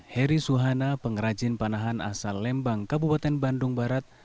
heri suhana pengrajin panahan asal lembang kabupaten bandung barat